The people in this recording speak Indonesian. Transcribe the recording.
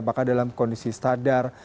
apakah dalam kondisi sadar